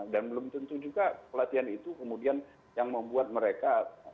dan belum tentu juga pelatihan itu kemudian yang membuat mereka